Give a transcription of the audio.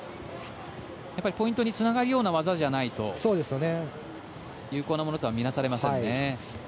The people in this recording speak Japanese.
ポイントにつながるような技じゃないと有効なものと見なされませんね。